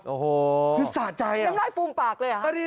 โอ้โหคือสะใจอ่ะเรียบร้อยฟูมปากเลยอ่ะ